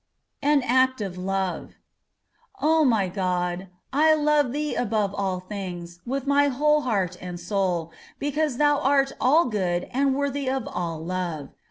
AN ACT OF LOVE O my God! I love Thee above all things, with my whole heart and soul, because Thou art all good and worthy of all love.